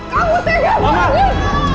kamu tegas banget